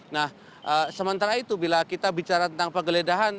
nah sementara itu bila kita bicara tentang penggeledahan